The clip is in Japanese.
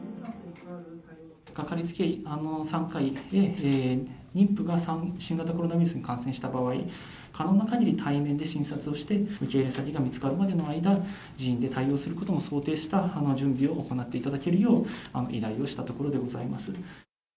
掛かりつけ産科医に対して、妊婦が新型コロナウイルスに感染した場合、可能なかぎり対面で診察をして、受け入れ先が見つかるまでの間、自院で対応することも想定した準備を行っていただけるよう、依頼をしたところでございます。